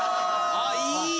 あっいい！